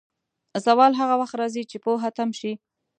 زوال هغه وخت راځي، چې پوهه تم شي.